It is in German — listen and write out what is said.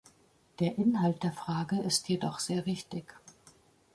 Der Inhalt der Frage ist jedoch sehr wichtig.